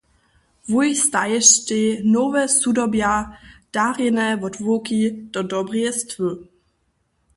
Wój stajištej nowe sudobja, darjene wot wowki, do dobreje stwy.